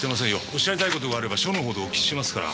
おっしゃりたい事があれば署の方でお聞きしますから。